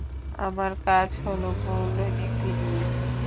আমার কাজ হল মূলনীতি নিয়ে।